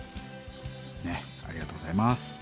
ありがとうございます。